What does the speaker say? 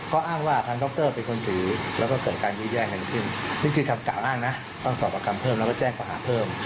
ก็อ้างว่าทางดรเป็นคนถือแล้วก็เกิดการยื้อแย่งกันขึ้นนี่คือคำกล่าวอ้างนะต้องสอบประคำเพิ่มแล้วก็แจ้งข้อหาเพิ่ม